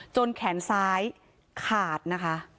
แขนซ้ายขาดนะคะ